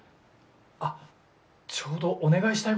あっちょうどお願いしたいことが。